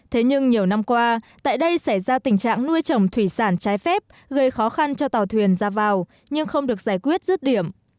thế nhưng nhiều năm qua tại đây xảy ra tình trạng nuôi trồng thủy sản trái phép gây khó khăn cho tàu thuyền ra vào nhưng không được giải quyết rứt điểm